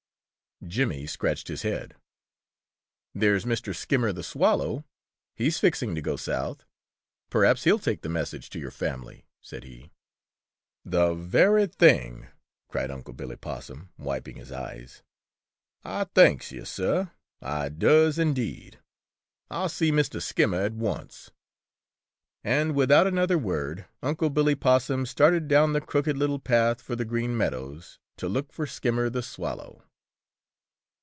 Jimmy scratched his head. "There's Mr. Skimmer the Swallow; he's fixing to go South. Perhaps he'll take the message to your family," said he. "The very thing!" cried Unc' Billy Possum, wiping his eyes. "Ah thanks yo', Sah. Ah does, indeed. Ah'll see Mistah Skimmer at once." And without another word Unc' Billy Possum started down the Crooked Little Path for the Green Meadows to look for Skimmer the Swallow.